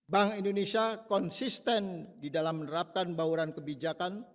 bank indonesia konsisten di dalam menerapkan bauran kebijakan